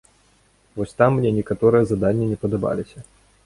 Вось там мне некаторыя заданні не падабаліся.